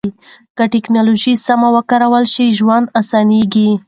که ټکنالوژي سمه وکارول شي، ژوند اسانه کېږي.